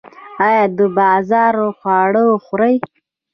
ایا د بازار خواړه خورئ؟